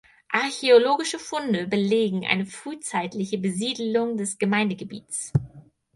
Archäologische Funde belegen eine frühzeitliche Besiedlung des Gemeindegebiets.